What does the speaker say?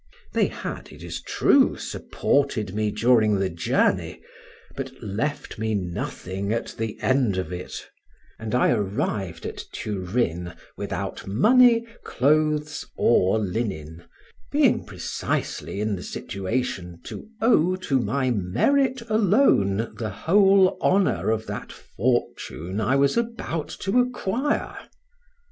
They had, it is true, supported me during the journey, but left me nothing at the end of it, and I arrived at Turin, without money, clothes, or linen, being precisely in the situation to owe to my merit alone the whole honor of that fortune I was about to acquire.